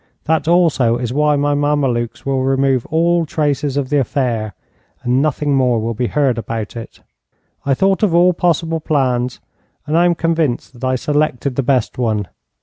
That also is why my Mamelukes will remove all traces of the affair, and nothing more will be heard about it. I thought of all possible plans, and I am convinced that I selected the best one.